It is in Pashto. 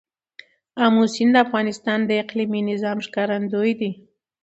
آمو سیند د افغانستان د اقلیمي نظام ښکارندوی دی.